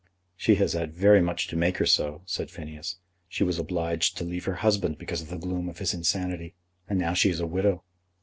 "She has had very much to make her so," said Phineas. "She was obliged to leave her husband because of the gloom of his insanity; and now she is a widow."